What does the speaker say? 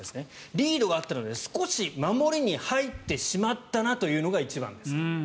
リードがあったので少し守りに入ってしまったなというのが一番ですと。